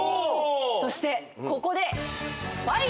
そしてここで。